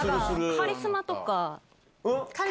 カリスマとか。